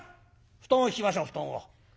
布団を敷きましょう布団を。